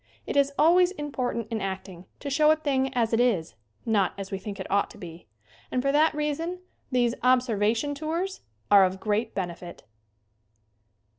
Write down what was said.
It is always important in acting to show a thing as it is, not as we think it ought to be, and for that reason these "observation tours" are of great benefit.